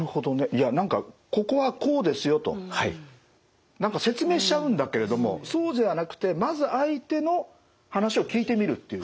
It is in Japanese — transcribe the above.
いや何かここはこうですよと。何か説明しちゃうんだけれどもそうじゃなくてまず相手の話を聞いてみるという。